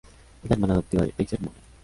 Es la hermana adoptiva de Dexter Morgan.